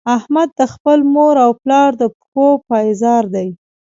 احمد د خپل مور او پلار د پښو پایزار دی.